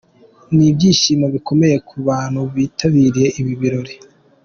Ni ibyishimo bikomeye ku bantu bitabiriye ibi birori.